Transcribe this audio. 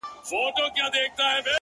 او که يې اخلې نو آدم اوحوا ولي دوه وه،